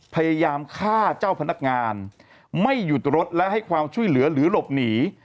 พยายามฆ่าเจ้าพนักงานไม่หยุดรถและให้ความช่วยเหลือหรือหลบหนี